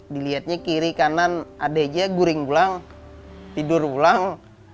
dilihatnya kiri kanan ada aja goreng ulang tidur ulang